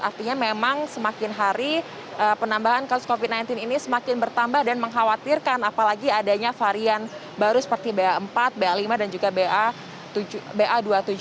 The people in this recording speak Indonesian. artinya memang semakin hari penambahan kasus covid sembilan belas ini semakin bertambah dan mengkhawatirkan apalagi adanya varian baru seperti ba empat ba lima dan juga ba dua ratus tujuh puluh